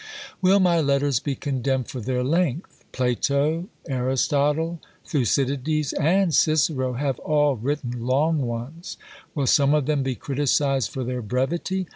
Will my letters be condemned for their length? Plato, Aristotle, Thucydides, and Cicero, have all written long ones. Will some of them be criticised for their brevity?